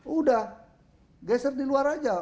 udah geser di luar aja